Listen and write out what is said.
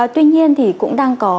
tuy nhiên thì cũng đang có